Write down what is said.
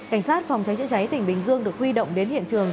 cảnh sát phòng cháy chữa cháy tỉnh bình dương được huy động đến hiện trường